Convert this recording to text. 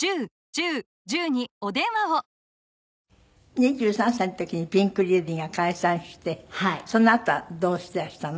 ２３歳の時にピンク・レディーが解散してそのあとはどうしてらしたの？